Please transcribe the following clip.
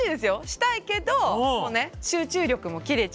したいけど集中力も切れちゃうし。